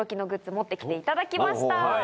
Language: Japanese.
持って来ていただきました。